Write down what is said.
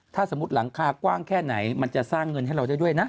ถ้าสมมุติหลังคากว้างแค่ไหนมันจะสร้างเงินให้เราได้ด้วยนะ